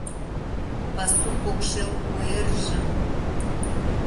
Пасу покшел куэржым